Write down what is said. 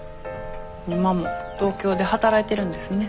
今も東京で働いてるんですね。